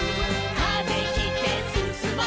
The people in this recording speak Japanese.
「風切ってすすもう」